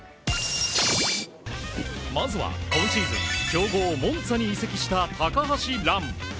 まずは今シーズン強豪モンツァに移籍した高橋藍。